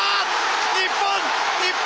日本日本